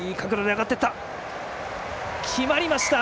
決まりました。